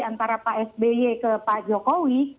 antara pak sby ke pak jokowi